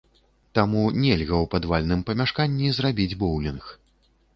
Таму нельга ў падвальным памяшканні зрабіць боўлінг.